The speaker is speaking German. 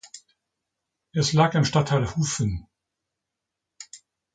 Es lag im Stadtteil Hufen.